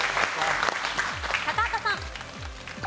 高畑さん。